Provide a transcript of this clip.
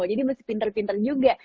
jadi mesti pinter pinter juga